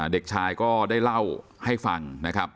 เด็กชายก็ได้เล่าให้ฟังนะครับ